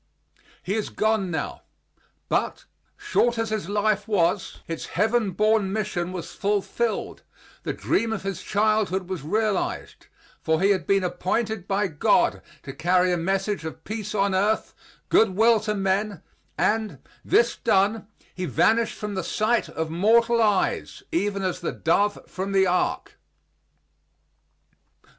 He is gone now. But, short as his life was, its heaven born mission was fulfilled; the dream of his childhood was realized; for he had been appointed by God to carry a message of peace on earth, good will to men, and, this done, he vanished from the sight of mortal eyes, even as the dove from the ark.